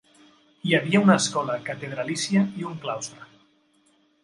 Hi havia una escola catedralícia i un claustre.